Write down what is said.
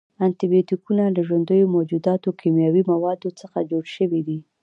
انټي بیوټیکونه له ژوندیو موجوداتو، کیمیاوي موادو څخه جوړ شوي دي.